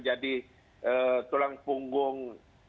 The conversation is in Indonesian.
jadi tulang punggung